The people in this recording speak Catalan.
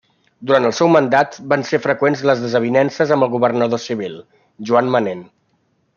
Durant el seu mandat van ser freqüents les desavinences amb el governador civil, Joan Manent.